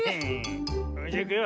それじゃいくよ。